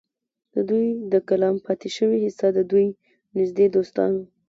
د دوي د کلام پاتې شوې حصه د دوي نزدې دوستانو